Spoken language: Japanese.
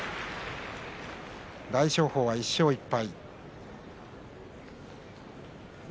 大翔鵬は１勝１敗。